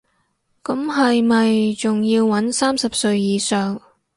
咁係咪仲要搵三十歲以上